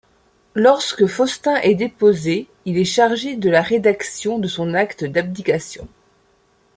Lorsque Faustin est déposé, il est chargé de la rédaction de son acte d'abdication.